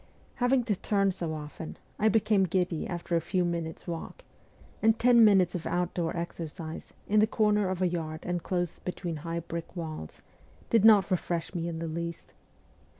Having to turn so often, I became giddy after a few minutes' walk, and ten minutes of outdoor exercise, in the corner of a yard inclosed between high brick walls, did not refresh me in the least.